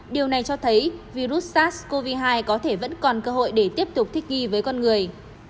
điều này cho thấy virus sars cov hai có thể vẫn còn cơ hội để tiếp tục thích nghi với con người